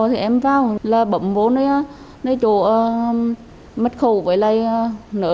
thì em vào là bấm vô nơi chỗ mất khẩu với lại nợ